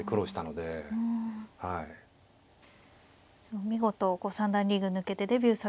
でも見事三段リーグ抜けてデビューされて。